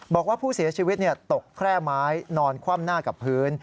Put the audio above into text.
บอกว่าผู้เสียชีวิตตกแคร่ไม้นอนคว่ำหน้ากับพื้น